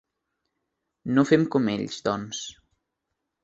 No fem com ells, doncs.